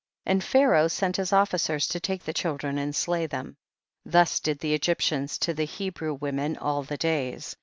1 1 . And Pharaoh sent his officers to take the children and slay them ; thus did the Egyptians to the Hebrew women all the days.